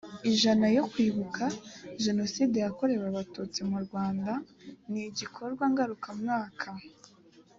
ijana yo kwibuka jenoside yakorewe abatutsi mu rwanda ni igikorwa ngarukamwaka